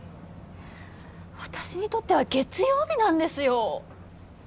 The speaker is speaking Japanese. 私にとっては月曜日なんですよ！